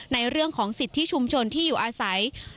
ในเรื่องของสิทธิชุมชนที่อยู่อาศัย